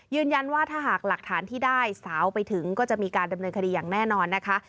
ว่าถ้าหากหลักฐานที่ได้สาวไปถึงก็จะมีการดำเนินคดีอย่างแน่นอนนะคะ